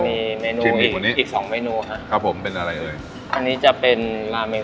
มีเมนูนี้อีกสองเมนูฮะครับผมเป็นอะไรเอ่ยอันนี้จะเป็นราเมน